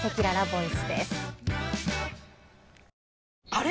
あれ？